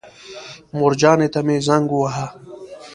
مورجانې ته مې زنګ وواهه.